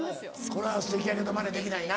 これはすてきやけどまねできないな。